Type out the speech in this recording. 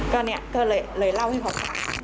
ก็เลยเล่าให้พ่อฟัง